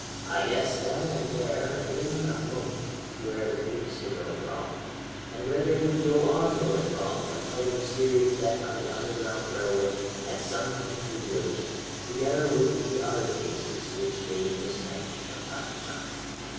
"I guessed then and there in a moment where the police were going wrong, and where they would go on going wrong until the mysterious death on the Underground Railway had sunk into oblivion, together with the other cases which they mismanage from time to time.